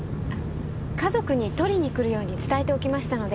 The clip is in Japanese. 家族に取りに来るように伝えておきましたので。